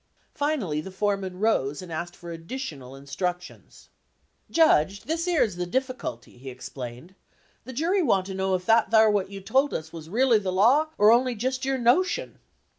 Finally the foreman rose and asked for addi tional instructions. . "Judge, this 'ere is the difficulty," he explained. 'The jury want to know if that thar what you told us was r'al'y the law, or on'y jist your notion.